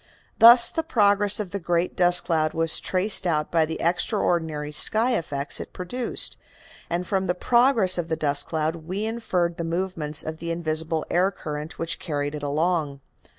Thus the progress of the great dust cloud was traced out by the extraordinary sky effects it produced, and from the progress of the dust cloud we inferred the movements of the invisible air current which carried it along.